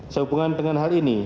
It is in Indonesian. sehubungan dengan hal ini